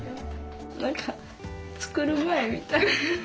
何か作る前みたい。